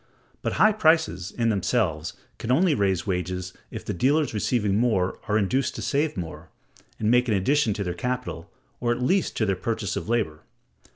But high prices, in themselves, can only raise wages if the dealers, receiving more, are induced to save more, and make an addition to their capital, or at least to their purchases of labor.